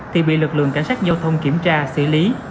thì bị lực lượng cảnh sát giao thông kiểm tra xử lý